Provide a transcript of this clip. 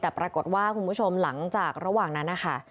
แต่ปรากฏว่าคุณผู้ชมหลังจากระหว่างนั้นนะคะ